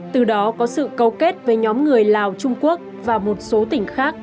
từ đó có sự câu kết với nhóm người lào trung quốc và một số tỉnh khác